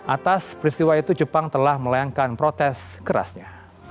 atas peristiwa itu jepang telah melayangkan protes kerasnya